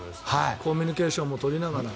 コミュニケーションも取りながら。